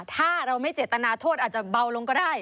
ถ้าเราไม่เจตนาโทษอาจจะเบาลงก็ได้